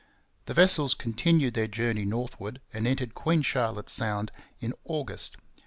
The vessels continued their journey northward and entered Queen Charlotte Sound in August.